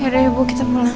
ya udah ya bu kita pulang